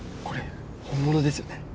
これ本物ですよね？